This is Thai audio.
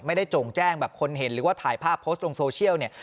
จงแจ้งแบบคนเห็นหรือว่าถ่ายภาพโพสต์ลงโซเชียลเนี่ย